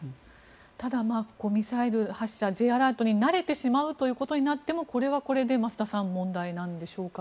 ただ、ミサイル発射Ｊアラートに慣れてしまうということになってもこれはこれで増田さん問題なんでしょうか。